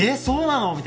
そうなの！？」